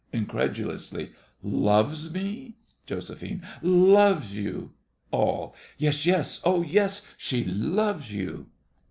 (incredulously). Loves me? JOS. Loves you! ALL. Yes, yes—ah, yes,—she loves you!